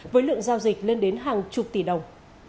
với lượng giao dịch lên đến hàng chục tỷ đồng